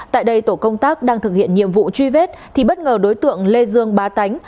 tại đây tổ công tác đang thực hiện nhiệm vụ truy vết thì bất ngờ đối tượng lê dương bá tánh